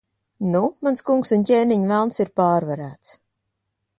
Nu, mans kungs un ķēniņ, Velns ir pārvarēts.